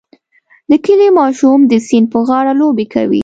د کلي ماشوم د سیند په غاړه لوبې کوي.